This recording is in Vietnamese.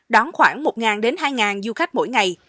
đón khoảng một hai du khách mỗi ngày